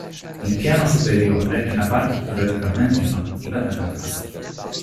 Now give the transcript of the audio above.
Il piano superiore è la parte più radicalmente innovativa della casa.